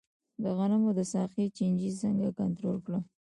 د غنمو د ساقې چینجی څنګه کنټرول کړم؟